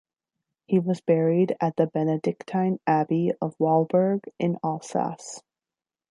He was buried at the Benedictine abbey of Walburg in Alsace.